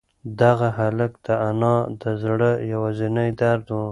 دغه هلک د انا د زړه یوازینۍ درد و.